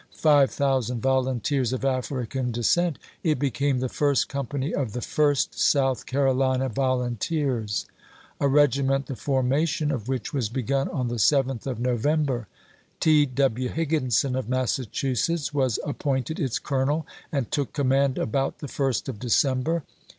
five thousand volunteers of African descent, it became the first company of the Fu^st South Car HiffKinson. olina Volunteers, a regiment the formation of maBiack EeKiment," which was begun on the 7th of November. T. W. p 276. Higginson, of Massachusetts, was appointed its colonel, and took command about the 1st of De cember.